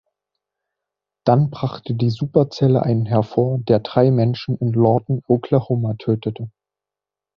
Dann brachte die Superzelle einen hervor, der drei Menschen in Lawton, Oklahoma, tötete.